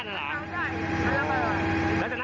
อ่าแล้วเค้าหนีก็ออกมาแล้วครับ